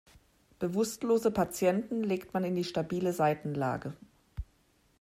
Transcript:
Bewusstlose Patienten legt man in die stabile Seitenlage.